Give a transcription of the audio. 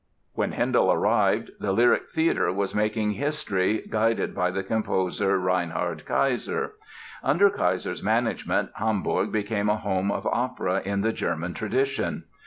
When Handel arrived the lyric theatre was making history guided by the composer, Reinhard Keiser. Under Keiser's management Hamburg became a home of opera in the German tradition.